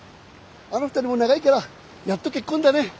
あの２人も長いからやっと結婚だねえ。